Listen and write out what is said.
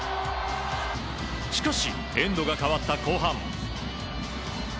しかし、エンドが変わった後半。